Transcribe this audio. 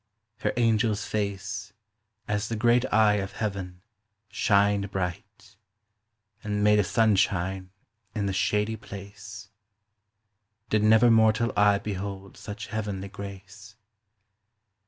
Her angels face, As the great eye of heaven, shyned bright, And made a sunshine in the shady place ; Did never mortall eye behold such heavenly grace.